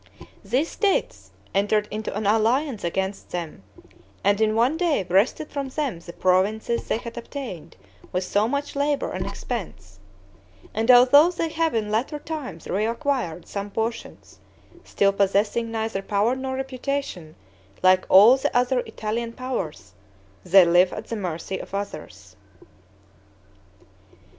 These states entered into an alliance against them, and in one day wrested from them the provinces they had obtained with so much labor and expense; and although they have in latter times reacquired some portions, still possessing neither power nor reputation, like all the other Italian powers, they live at the mercy of others.